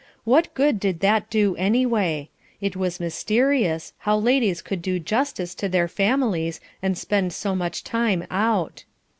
What good did that do anyway? It was mysterious how ladies could do justice to their families and spend so much time out.